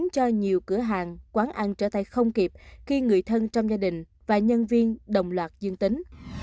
còn quán ăn trở tay không kịp khi người thân trong gia đình và nhân viên đồng loạt dương tính